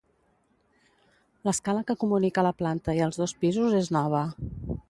L'escala que comunica la planta i els dos pisos és nova.